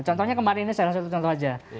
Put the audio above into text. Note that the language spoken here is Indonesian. contohnya kemarin ini saya kasih satu contoh aja